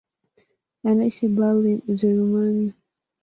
Anaishi Berlin, Ujerumani.